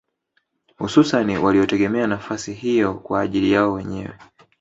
Hususani waliotegemea nafasi hiyo kwa ajili yao wenyewe